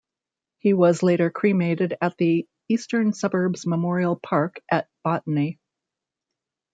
He was later cremated at the Eastern Suburbs Memorial Park at Botany.